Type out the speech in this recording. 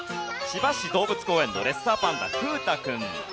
千葉市動物公園のレッサーパンダ風太君。